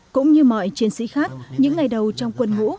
cũng như mọi chiến sĩ khác những ngày đầu trong quân ngũ